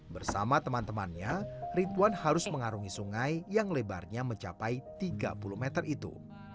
bersama teman temannya ridwan harus mengarungi sungai yang lebarnya mencapai tiga puluh meter itu